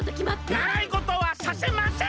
ならいごとはさせません！